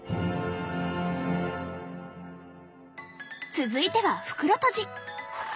続いては袋とじ。